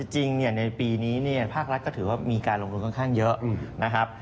จริงในปีนี้ภาครัฐก็ถือว่ามีการลงทุนค่อนข้างเยอะนะครับ